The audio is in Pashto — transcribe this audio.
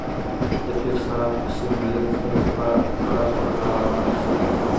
د پیر صاحب سیمه ییز خلیفه پړه پر غاړه وانه اخیسته.